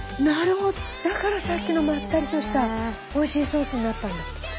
なるほどだからさっきのまったりとしたおいしいソースになったんだ。